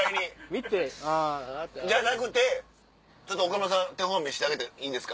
見て「あぁ」。じゃなくてちょっと岡村さん手本見してあげていいですか？